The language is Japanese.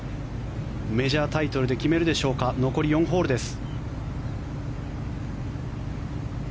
メジャータイトルで決めるでしょうか残り４ホールです。